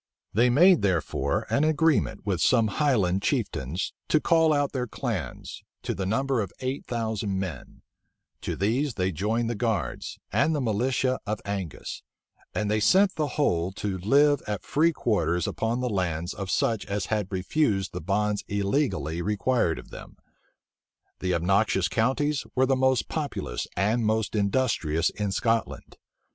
They made therefore an agreement with some highland chieftains to call out their clans, to the number of eight thousand men: to these they joined the guards, and the militia of Angus; and they sent the whole to live at free quarters upon the lands of such as had refused the bonds illegally required of them. The obnoxious counties were the most populous and most industrious in Scotland.